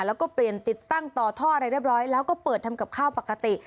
แล้วก็เปลี่ยนติดตั้งต่อท่ออะไรเรียบร้อยแล้วก็เปิดทำกับข้าวปกติ